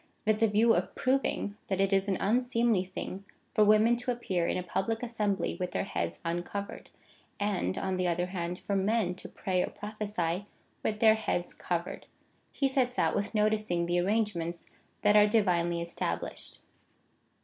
With the view of proving, that it is an unseemly thing for women to appear in a public assembly with their heads uncovered, and, on the other hand, for men to pray or prophesy with their heads covered, he sets out with noticing the arrangements that are divinely established.